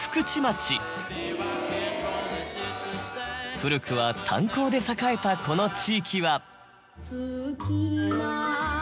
古くは炭鉱で栄えたこの地域は。